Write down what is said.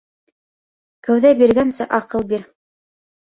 Кәүҙә биргәнсе аҡыл бир.